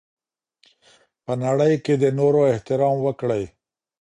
په نړۍ کي د نورو احترام وکړئ.